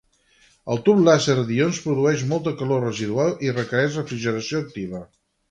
El tub làser d'ions produeix molta calor residual i requereix refrigeració activa.